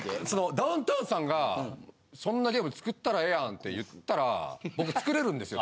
ダウンタウンさんが「そんなゲーム作ったらええやん」って言ったら僕作れるんですよ。